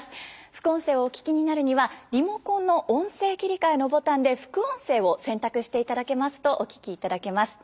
副音声をお聞きになるにはリモコンの「音声切替」のボタンで「副音声」を選択していただけますとお聞きいただけます。